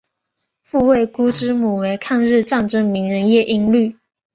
傅慰孤之母为抗日战争名人叶因绿。